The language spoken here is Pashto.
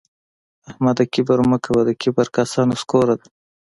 احمده کبر مه کوه؛ د کبر کاسه نسکوره ده